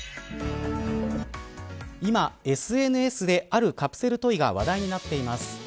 今、ＳＮＳであるカプセルトイが話題になっています。